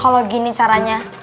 kalau gini caranya